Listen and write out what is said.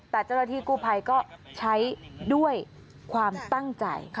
แต่เจ้าหน้าที่กู้ภัยก็ใช้ด้วยความตั้งใจ